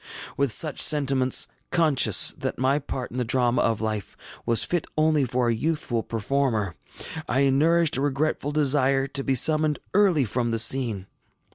With such sentiments, conscious that my part in the drama of life was fit only for a youthful performer, I nourished a regretful desire to be summoned early from the scene.